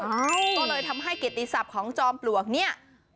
ก็เลยทำให้เกียรติศัพท์ของจอมปลวกเนี่ย